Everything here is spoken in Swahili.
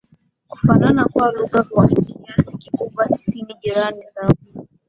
Kufanana kwao lugha kwa kiasi kikubwa tisini jirani zao